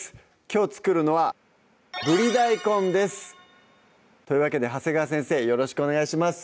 きょう作るのは「ブリ大根」ですというわけで長谷川先生よろしくお願いします